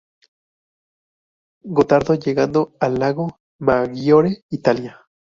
Gotardo llegando al Lago Maggiore, Italia.